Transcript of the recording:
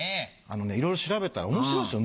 いろいろ調べたら面白いですよ